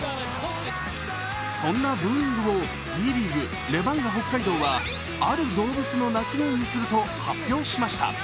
そんなブーイングをＢリーグ、レバンガ北海道はある動物の鳴き声にすると発表しました。